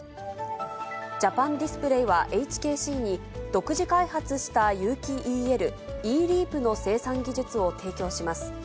ジャパンディスプレイは、ＨＫＣに、独自開発した有機ＥＬ、イーリープの生産技術を提供します。